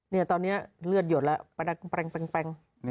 เท่านี้เลือดหยดแล้ว